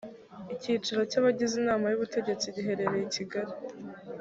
icyicaro cy’ abagize inama y’ ubutegetsi giherereye i kigali